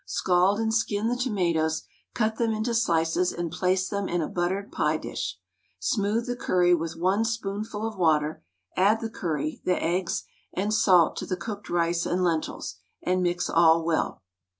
Scald and skin the tomatoes, cut them into slices and place them in a buttered pie dish. Smooth the curry with 1 spoonful of water; add the curry, the eggs, and salt to the cooked rice and lentils, and mix all well.